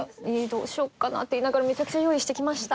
どうしようかな？って言いながらめちゃくちゃ用意してきました。